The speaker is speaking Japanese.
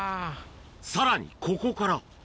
さらにここから。